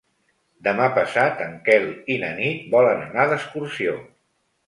Demà passat en Quel i na Nit volen anar d'excursió.